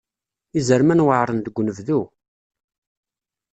Izerman weɛren deg unebdu.